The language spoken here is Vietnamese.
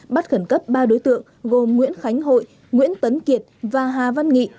bắt khẩn cấp ba đối tượng gồm nguyễn khánh hội nguyễn tấn kiệt và hà văn nghị